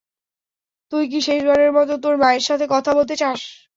তুই কি শেষবারের মতো তোর মায়ের সাথে কথা বলতে চাস?